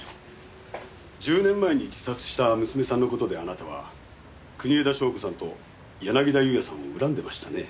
１０年前に自殺した娘さんの事であなたは国枝祥子さんと柳田裕也さんを恨んでましたね？